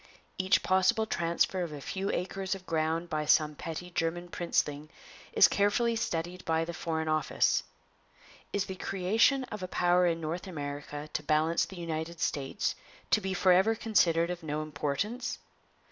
Each possible transfer of a few acres of ground by some petty German princeling is carefully studied by the Foreign Office. Is the creation of a power in North America to balance the United States to be forever considered of no importance?